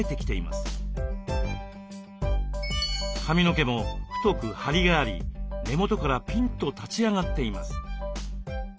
髪の毛も太くハリがあり根元からピンと立ち上がっています。